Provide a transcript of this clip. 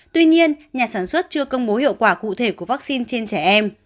tuy nhiên nhà sản xuất chưa công bố hiệu quả cụ thể của vaccine trên trẻ em